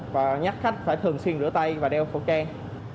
và nhắc khách phải thường xuyên rửa tay và đeo khẩu trang